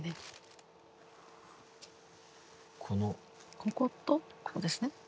こことここですね。